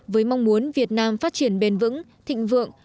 với mong muốn việt nam phát triển bền vững thịnh vượng